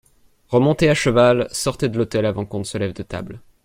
Remontez à cheval, sortez de l'hôtel avant qu'on ne se lève de table.